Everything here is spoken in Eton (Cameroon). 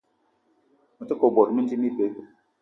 Me te ke bot mendim ibeu.